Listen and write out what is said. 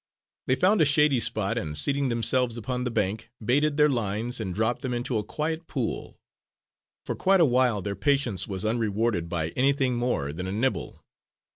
They found a shady spot, and seating themselves upon the bank, baited their lines, and dropped them into a quiet pool. For quite a while their patience was unrewarded by anything more than a nibble.